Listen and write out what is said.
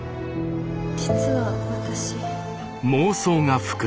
実は私。